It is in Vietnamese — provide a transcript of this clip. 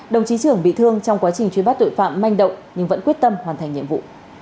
đồng chí trưởng bị thương trong quá trình truy bắt tội phạm manh động nhưng vẫn quyết tâm hoàn thành nhiệm vụ